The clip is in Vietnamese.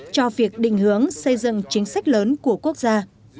cho việc định hướng xây dựng chính sách lớn của quốc gia